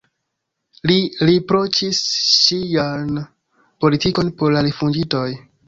Li riproĉis ŝian politikon por la rifuĝintoj.